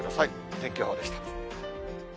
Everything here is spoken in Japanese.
天気予報でした。